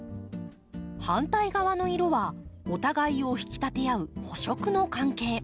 反対側の色はお互いを引き立て合う補色の関係。